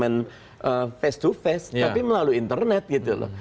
bukan face to face tapi melalui internet gitu loh